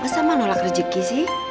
masa mak nolak rejeki sih